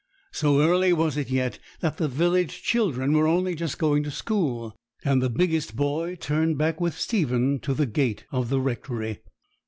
So early was it yet, that the village children were only just going to school; and the biggest boy turned back with Stephen to the gate of the Rectory.